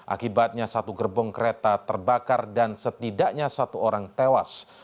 akibatnya satu gerbong kereta terbakar dan setidaknya satu orang tewas